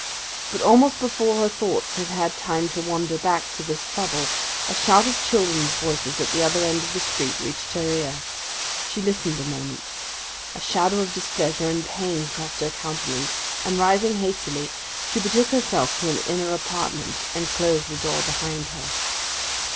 But almost before her thoughts had had time to wander back to this trouble, a shout of children's voices, at the other end of the street, reached her ear. She listened a moment. A shadow of displeasure and pain crossed her countenance; and rising hastily, she betook herself to an inner apartment, and closed the door behind her.